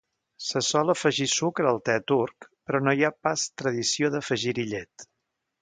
Se sol afegir sucre al te turc, però no hi ha pas tradició d'afegir-hi llet.